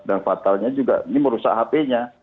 dan fatalnya juga ini merusak hp nya